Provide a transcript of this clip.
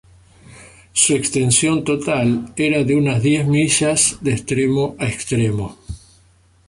Su extensión total era de unas diez millas de extremo a extremo.